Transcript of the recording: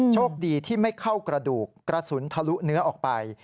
โชคดีที่ไม่เข้ากระดูกกระสุนทะลุเนื้อออกไป